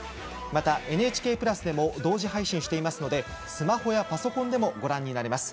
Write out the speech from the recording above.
また「ＮＨＫプラス」でも同時配信していますのでスマホやパソコンでもご覧になれます。